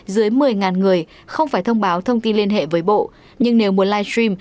dưới một mươi người không phải thông báo thông tin liên hệ với bộ nhưng nếu muốn live stream